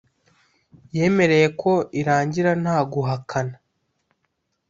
yemereye ko irangira nta guhakana.